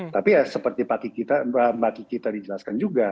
tapi ya seperti pak kiki tadi jelaskan juga